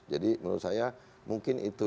jadi menurut saya mungkin itu